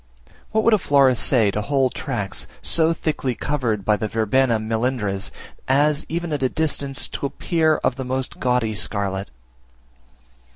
What would a florist say to whole tracts, so thickly covered by the Verbena melindres, as, even at a distance, to appear of the most gaudy scarlet?